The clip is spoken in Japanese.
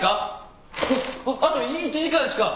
あと１時間しか。